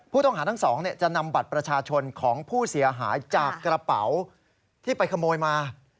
ผู้ต้องหาทั้งสองจะนำบัตรประชาชนของผู้เสียหายจากกระเป๋าที่ไปขโมยมา